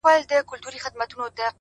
خوب كي گلونو ســـره شپـــــې تېــروم ـ